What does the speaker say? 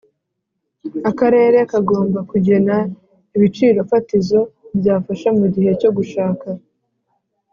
Akarere kagomba kugena ibiciro fatizo byafasha mu gihe cyo gushaka